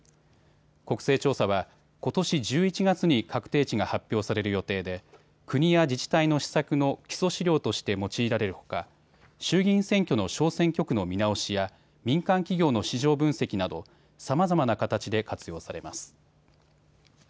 国勢調査は、ことし１１月に確定値が発表される予定で国や自治体の施策の基礎資料として用いられるほか衆議院選挙の小選挙区の見直しや、民間企業の市場分析などさまざまな形で活用されます。